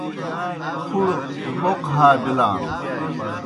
پُھڑوْ بَوْقہ ہا بِلان۔